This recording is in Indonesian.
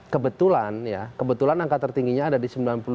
kebetulan ya kebetulan angka tertingginya ada di sembilan puluh delapan